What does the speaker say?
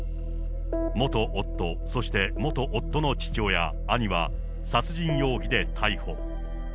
元夫、そして元夫の父親、兄は、殺人容疑で逮捕。